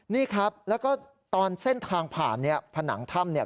นี่ครับแล้วก็ตอนเส้นทางผ่านผนังถ้ำ